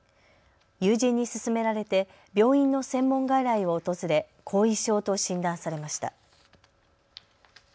友人に勧められて病院の専門外来を訪れ、後遺症と診断されました。